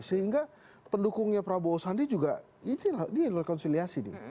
sehingga pendukungnya prabowo sandi juga ini rekonsiliasi nih